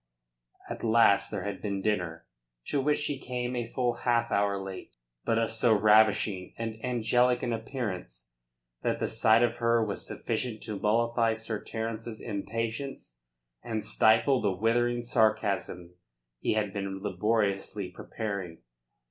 At last there had been dinner to which she came a full half hour late, but of so ravishing and angelic an appearance that the sight of her was sufficient to mollify Sir Terence's impatience and stifle the withering sarcasms he had been laboriously preparing.